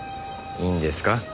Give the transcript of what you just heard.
いいんですか？